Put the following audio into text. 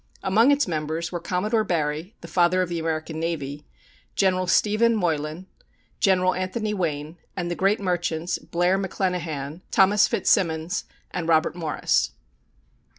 Among its members were Commodore Barry, the Father of the American Navy; General Stephen Moylan; General Anthony Wayne; and the great merchants, Blair McClenachan, Thomas Fitzsimons, and Robert Morris.